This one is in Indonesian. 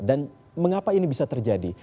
dan mengapa ini bisa terjadi